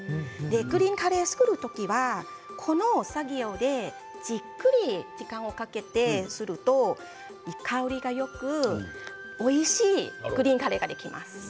グリーンカレーを作る時はこの作業でじっくり時間をかけてすると香りがよくおいしいグリーンカレーができます。